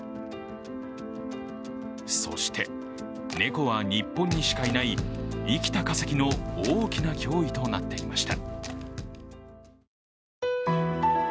そして、猫は日本にしかいない生きた化石の大きな脅威となっていました。